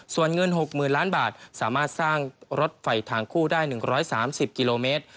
ส่วนเงิน๖๐๐๐ล้านบาทสามารถสร้างรถไฟทางคู่ได้๑๓๐กิโลเมตร